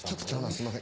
すいません。